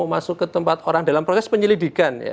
masuk ke tempat orang dalam proses penyelidikan